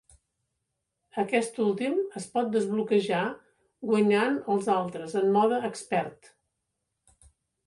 Aquest últim es pot desbloquejar guanyant els altres en mode "Expert".